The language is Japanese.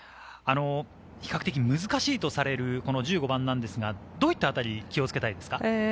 比較的難しいとされる１５番ですが、どういったあたりに気を付けたいですか？